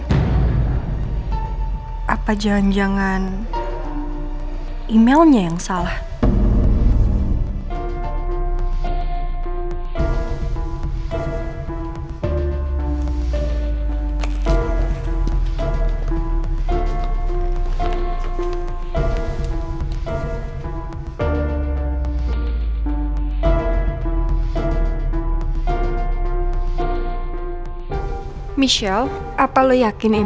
kalo semua passwordnya dia itu tanggal putusnya dia sama mbak andin